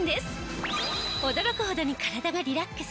驚くほどに体がリラックス！